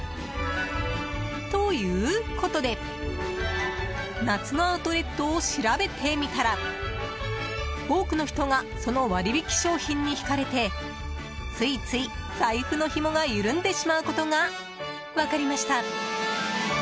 ということで夏のアウトレットを調べてみたら多くの人がその割引商品に引かれてついつい財布のひもが緩んでしまうことが分かりました。